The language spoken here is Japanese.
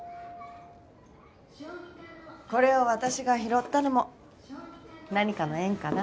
これを私が拾ったのも何かの縁かなぁ。